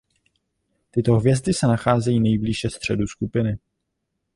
Tyto hvězdy se nacházejí nejblíže středu skupiny.